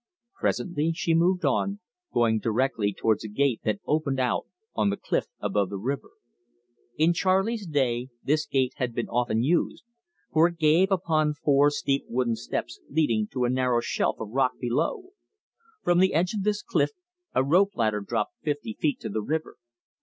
Presently she moved on, going directly towards a gate that opened out on the cliff above the river. In Charley's day this gate had been often used, for it gave upon four steep wooden steps leading to a narrow shelf of rock below. From the edge of this cliff a rope ladder dropped fifty feet to the river.